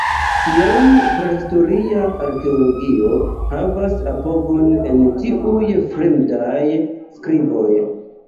Tiam, prahistoria arkeologio havas apogon en tiuj fremdaj skriboj.